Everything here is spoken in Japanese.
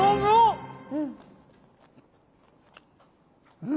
うん！